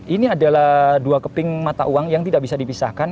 ini adalah dua keping mata uang yang tidak bisa dipisahkan